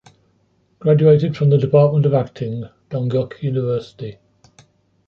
Graduated from the department of acting, Dongguk University.